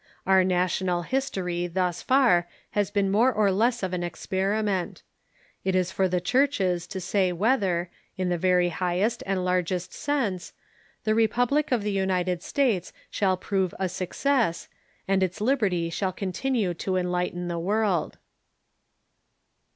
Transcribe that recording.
Our national history thus far has been more or less of an experiment. It is for the churches to say whether, in the very highest and largest sense, the Republic of the United States shall prove a success and its Liberty shall con tinue to enlighten the World.